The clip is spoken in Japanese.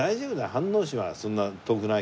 飯能市はそんな遠くないから。